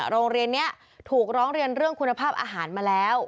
โรงเรียนนี้ถูกร้องเรียนเรื่องคุณภาพอาหารมาแล้ว